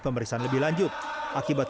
pemeriksaan lebih lanjut akibat